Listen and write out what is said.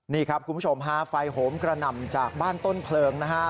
นี่ครับคุณผู้ชมฮะไฟโหมกระหน่ำจากบ้านต้นเพลิงนะฮะ